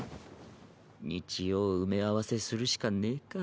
日曜埋め合わせするしかねぇか。